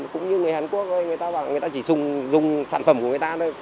cũng như người hàn quốc ơi người ta chỉ dùng sản phẩm của người ta thôi